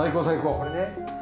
これね。